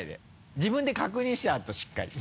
自分で確認してあとしっかり。